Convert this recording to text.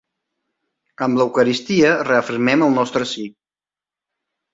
Amb l'Eucaristia reafirmem el nostre sí.